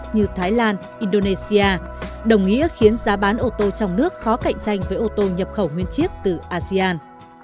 như thái lan indonesia đồng nghĩa khiến giá bán ô tô trong nước khó cạnh tranh với ô tô nhập khẩu nguyên chiếc từ asean